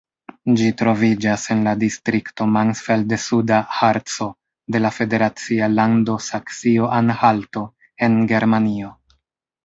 Ĝi troviĝas en la distrikto Mansfeld-Suda Harco de la federacia lando Saksio-Anhalto en Germanio.